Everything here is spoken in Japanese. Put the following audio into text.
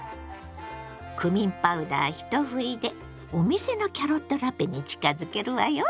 クミンパウダー一振りでお店のキャロットラペに近づけるわよ！